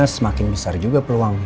semakin besar juga peluangnya